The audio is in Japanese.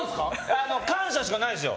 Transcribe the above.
感謝しかないですよ。